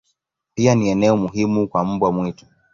Pia ni eneo muhimu kwa mbwa mwitu.